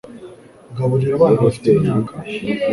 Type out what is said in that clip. gaburira abana bafite imyaka